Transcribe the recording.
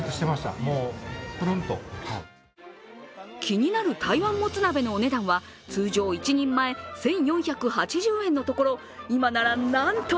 気になる台湾もつ鍋のお値段は、通常一人前１４８０円のところ、今ならなんと！